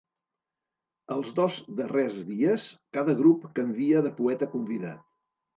Els dos darrers dies cada grup canvia de poeta convidat.